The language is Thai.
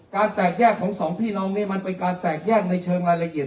แตกแยกของสองพี่น้องนี้มันเป็นการแตกแยกในเชิงรายละเอียด